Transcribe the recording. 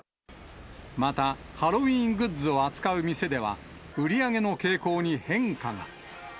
また、ハロウィーングッズを扱う店では、売り上げの傾向に変化が。